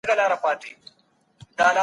خپل ذهن به له فکري بوج څخه خلاص ساتئ.